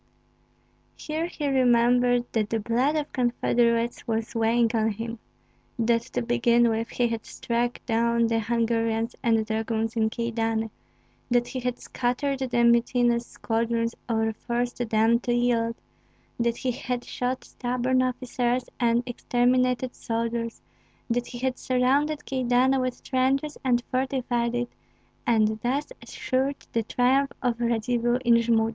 Here he remembered that the blood of confederates was weighing on him; that to begin with, he had struck down the Hungarians and dragoons in Kyedani, that he had scattered the mutinous squadrons or forced them to yield, that he had shot stubborn officers and exterminated soldiers, that he had surrounded Kyedani with trenches and fortified it, and thus assured the triumph of Radzivill in Jmud.